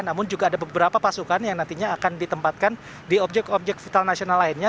namun juga ada beberapa pasukan yang nantinya akan ditempatkan di objek objek vital nasional lainnya